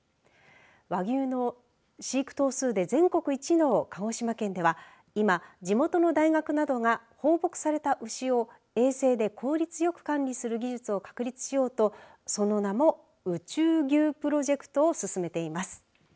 和牛の飼育頭数で全国一の鹿児島県では今、地元の大学などが報告された牛を衛星で効率よく管理する技術を確立しようとその名も宇宙牛プロジェクトを進めています。